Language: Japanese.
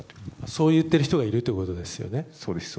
そう言っている人がいるってことですよね。